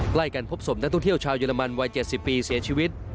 ใกล้กันพบศพนักท่องเที่ยวชาวเยอรมันวัย๗๐ปีเสียชีวิต